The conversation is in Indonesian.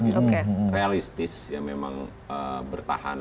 yang realistis ya memang bertahan